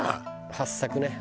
はっさくね。